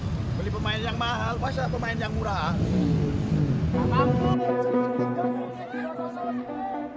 saya pemain yang mahal pas saya pemain yang murah